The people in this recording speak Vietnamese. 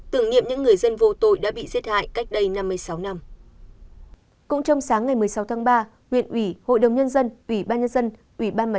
tưởng nhiệm những người dân vô tội đã bị giết hại cách đây năm mươi sáu năm